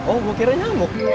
oh gue kira nyamuk